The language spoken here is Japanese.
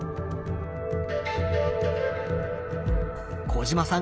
小島さん